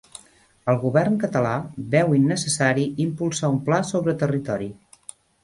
El govern català veu innecessari impulsar un pla sobre territori